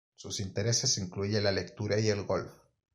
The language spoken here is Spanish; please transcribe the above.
Su intereses incluyen la lectura y el golf.